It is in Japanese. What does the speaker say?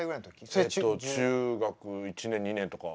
えっと中学１年２年とか。